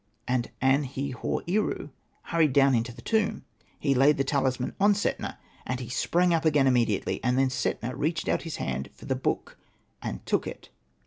And An.he.hor.eru hurried down into the tomb ; ^li,^^^v SETNA VICTORIOUS. he laid the tahsman on Setna, and he sprang up again immediately. And then Setna reached out his hand for the book, and took it.